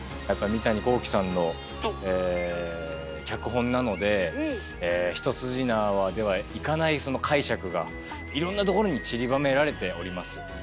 やっぱ三谷幸喜さんの脚本なので一筋縄ではいかないその解釈がいろんなところにちりばめられております。